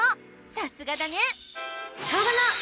さすがだね！